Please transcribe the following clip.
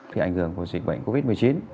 thì ảnh hưởng của dịch bệnh covid một mươi chín